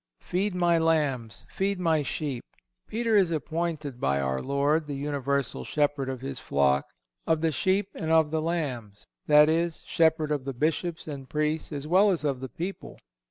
"Feed My lambs; feed My sheep."(180) Peter is appointed by our Lord the universal shepherd of His flock—of the sheep and of the lambs—that is, shepherd of the Bishops and Priests as well as of the people.